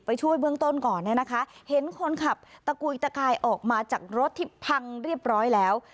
ช่วยเบื้องต้นก่อนเนี่ยนะคะเห็นคนขับตะกุยตะกายออกมาจากรถที่พังเรียบร้อยแล้ว